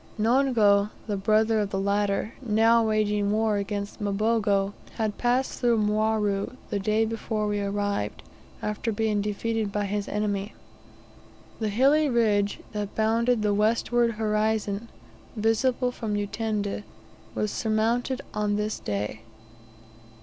Niongo, the brother of the latter, now waging war against Mbogo, had passed through Mwaru the day before we arrived, after being defeated by his enemy. The hilly ridge that bounded the westward horizon, visible from Utende, was surmounted on this day.